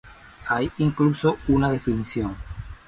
Hay incluso una definición.